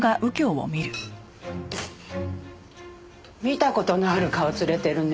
見た事のある顔連れてるね。